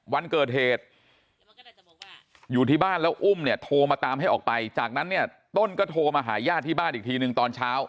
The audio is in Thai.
วันเกิดเหตุอยู่ที่บ้านแล้วอุ้มเนี่ยโทรมาตามให้ออกไปจากนั้นเนี่ยต้นก็โทรมาหาญาติที่บ้านอีกทีนึงตอนเช้า